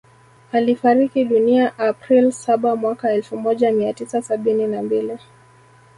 Alifariki dunia April saba mwaka elfu moja mia tisa sabini na mbili